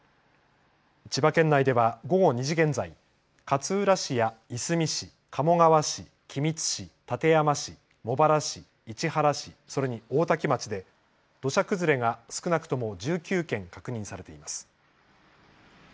千葉県内では午後２時現在、勝浦市やいすみ市、鴨川市、君津市、館山市、茂原市、市原市、それに大多喜町で土砂崩れが少なくとも１９件確認されています。